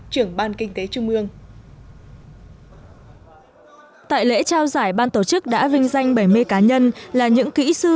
trưởng ban kinh tế trung ương tại lễ trao giải ban tổ chức đã vinh danh bảy mươi cá nhân là những kỹ sư